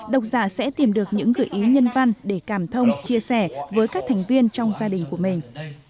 độc giả sẽ tìm được những gửi ý nhân văn để cảm thông chia sẻ với các thành viên trong gia đình của mình